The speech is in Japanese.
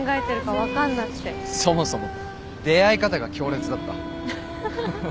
そもそも出会い方が強烈だった。